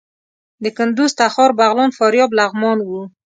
د کندوز، تخار، بغلان، فاریاب، لغمان وو.